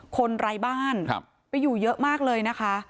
ไร้บ้านไปอยู่เยอะมากเลยนะคะ